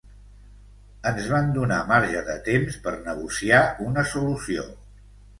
Ens van donar marge de temps per negociar una solució.